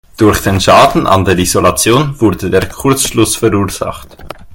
Durch den Schaden an der Isolation wurde der Kurzschluss verursacht.